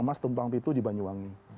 emas tumpang pitu di banyuwangi